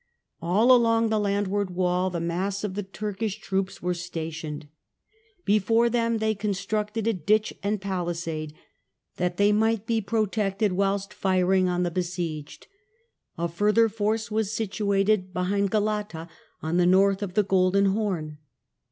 All along the landward wall the mass of the Turkish troops were stationed. Before them they constructed a trench and palisade, that they might be protected whilst firing on the besieged ; a further force was situated behind Galata, on the North of the Golden Horn.